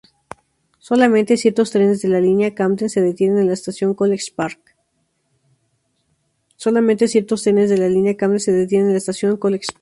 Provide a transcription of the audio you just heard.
Solamente ciertos trenes de la línea Camden se detienen en la estación College Park.